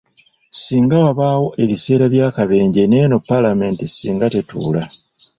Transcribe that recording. Singa wabaawo ebiseera by'akabenje n'eno Paalamenti singa tetuula.